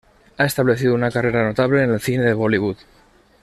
Ha establecido una carrera notable en el cine de Bollywood.